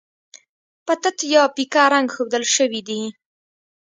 په تت یا پیکه رنګ ښودل شوي دي.